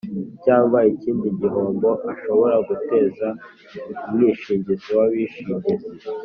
cyangwa ikindi gihombo ashobora guteza umwishingizi w’abishingizi